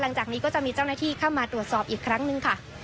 หลังจากนี้ก็จะมีเจ้าหน้าที่เข้ามาตรวจสอบอีกครั้งหนึ่งค่ะ